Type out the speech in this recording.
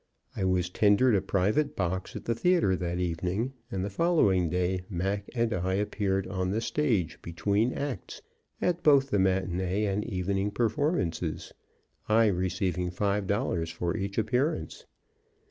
I was tendered a private box at the theatre that evening, and the following day Mac and I appeared on the stage between acts, at both the matinee and evening performances, I receiving five dollars for each appearance.